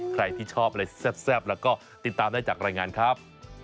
ใครที่ชอบอะไรแซ่บแล้วก็ติดตามได้จากรายงานครับ